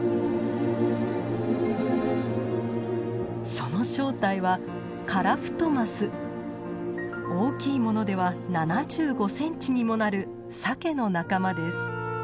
その正体は大きいものでは７５センチにもなるサケの仲間です。